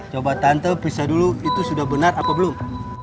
coba tante pisah dulu itu sudah benar atau belum